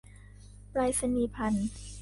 ไปรษณีย์ภัณฑ์